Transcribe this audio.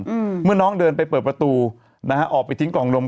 อืมเมื่อน้องเดินไปเปิดประตูนะฮะออกไปทิ้งกล่องลม